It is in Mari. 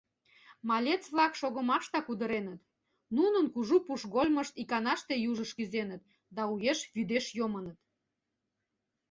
Малаец-влак шогымаштак удыреныт; нунын кужу пушкольмышт иканаште южыш кӱзеныт да уэш вӱдеш йомыныт.